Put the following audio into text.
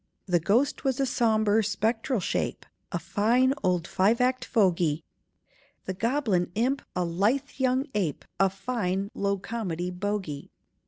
The ghost was a sombre spectral shape, A fine old five act fogy, The goblin imp, a lithe young ape, A fine low comedy bogy.